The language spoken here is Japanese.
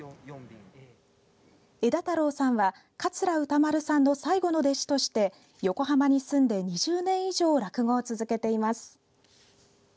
枝太郎さんは桂歌丸さんの最後の弟子として横浜に住んで２０年以上落語を続けています。